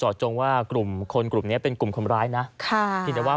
จงว่ากลุ่มคนกลุ่มเนี้ยเป็นกลุ่มคนร้ายนะค่ะเพียงแต่ว่า